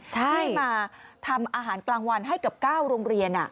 ให้มาทำอาหารกลางวันให้กับ๙โรงเรียน